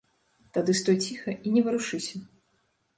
Тады стой ціха і не варушыся.